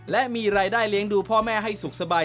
และมีรายได้เลี้ยงดูพ่อแม่ให้สุขสบาย